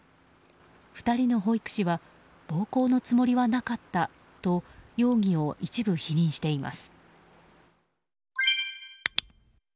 ２人の保育士は暴行のつもりはなかったと容疑を一部否認しています。